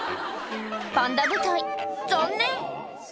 パンダ部隊、残念。